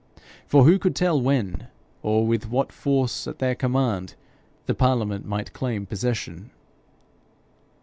For who could tell when, or with what force at their command, the parliament might claim possession?